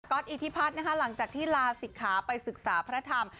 อิทธิพัฒน์นะคะหลังจากที่ลาศิกขาไปศึกษาพระธรรม